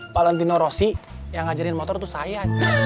valentino rossi yang ngajarin motor tuh saya